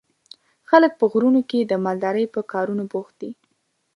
خلک په غرونو کې د مالدارۍ په کارونو بوخت دي.